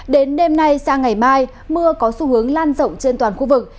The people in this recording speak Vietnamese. đến đêm nay sang ngày mai mưa có xu hướng lan rộng trên toàn khu vực